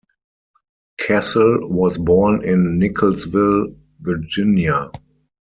Cassell was born in Nickelsville, Virginia.